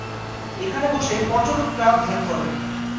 এখানে বসে পর্যটকরা ধ্যান করেন।